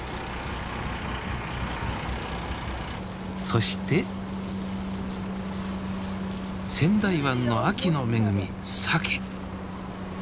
そして仙台湾の秋の恵みサケ。